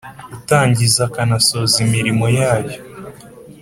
utangiza akanasoza imirimo yayo